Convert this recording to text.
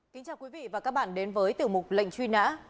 kính chào quý vị và các bạn đến với tiểu mục lệnh truy nã